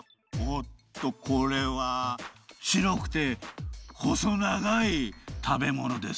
おっとこれはしろくてほそながい食べものです。